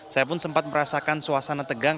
saya pun sempat merasakan suasana tegang